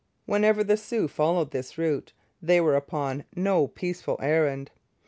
Whenever the Sioux followed this route, they were upon no peaceful errand.